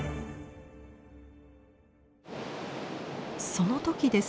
その時です。